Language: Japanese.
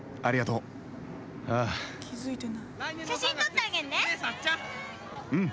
うん！